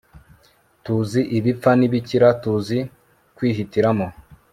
tuzi ibipfa n'ibikira, tuzi kwihitiramo